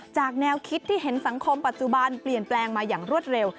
แนวคิดที่เห็นสังคมปัจจุบันเปลี่ยนแปลงมาอย่างรวดเร็ว